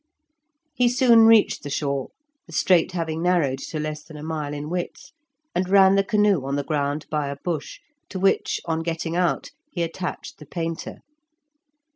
He soon reached the shore, the strait having narrowed to less than a mile in width, and ran the canoe on the ground by a bush, to which, on getting out, he attached the painter.